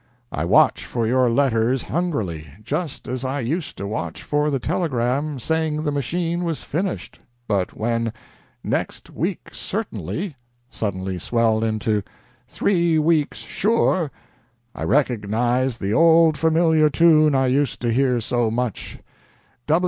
.. I watch for your letters hungrily just as I used to watch for the telegram saying the machine was finished but when "next week certainly" suddenly swelled into 'three weeks sure,' I recognized the old familiar tune I used to hear so much.